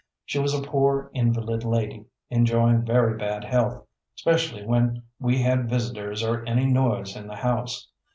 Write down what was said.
She was a poor invalid lady, enjoying very bad health, specially when we had visitors or any noise in the house.